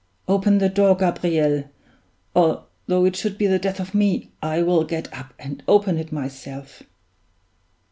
Open the door, Gabriel or, though it should be the death of me, I will get up and open it myself!"